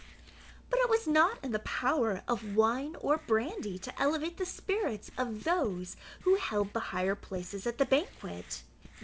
But it was not in the power of wine or brandy to elevate the spirits of those who held the higher places at the banquet.